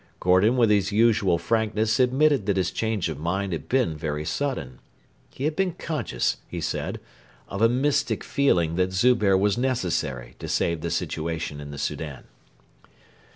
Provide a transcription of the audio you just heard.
Gordon with his usual frankness admitted that his change of mind had been very sudden. He had been conscious, he said, of a 'mystic feeling' that Zubehr was necessary to save the situation in the Soudan.